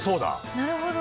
なるほど。